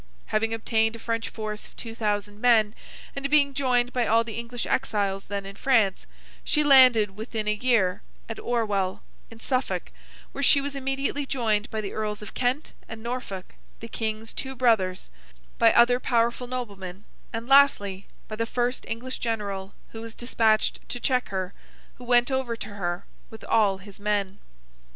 Having obtained a French force of two thousand men, and being joined by all the English exiles then in France, she landed, within a year, at Orewell, in Suffolk, where she was immediately joined by the Earls of Kent and Norfolk, the King's two brothers; by other powerful noblemen; and lastly, by the first English general who was despatched to check her: who went over to her with all his men.